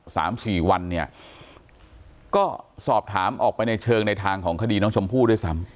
สามสี่วันเนี่ยก็สอบถามออกไปในเชิงในทางของคดีน้องชมพู่ด้วยซ้ำ